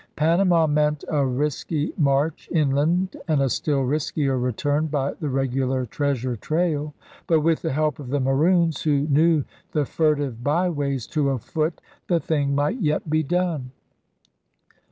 Panama meant a risky march inland and a still riskier return by the regular treasure trail. But with the help of the Maroons, who knew the furtive byways to a foot, the thing might yet be done.